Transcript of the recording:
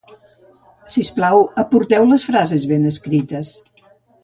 Sisplau, aporteu les frases ben escrites